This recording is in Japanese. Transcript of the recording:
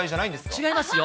違いますよ。